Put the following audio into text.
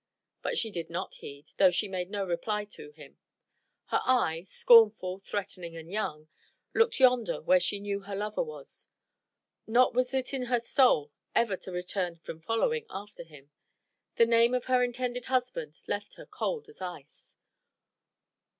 But she did not heed, though she made no reply to him. Her eye, "scornful, threatening and young," looked yonder where she knew her lover was; not was it in her soul ever to return from following after him. The name of her intended husband left her cold as ice.